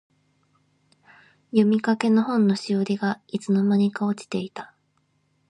読みかけの本のしおりが、いつの間にか落ちていた。